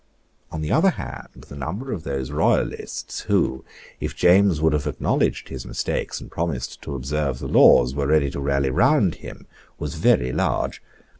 On the other hand, the number of those Royalists, who, if James would have acknowledged his mistakes and promised to observe the laws, were ready to rally round him, was very large.